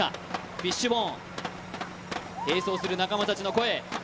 フィッシュボーン、並走する仲間たちの声。